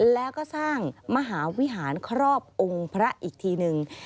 แล้วก็สร้างมหาวิหารครอบองค์พระอีกทีหนึ่ง